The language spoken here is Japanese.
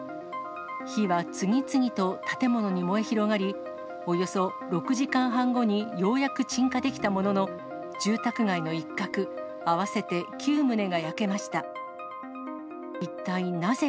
火は次々と建物に燃え広がり、およそ６時間半後にようやく鎮火できたものの、住宅街の一角、合わせて９棟が焼けました。